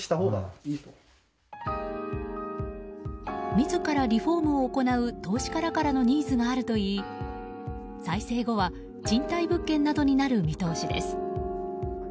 自らリフォームを行う投資家らからのニーズがあるといい再生後は賃貸物件などになる見通しです。